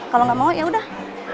kalau gak mau yaudah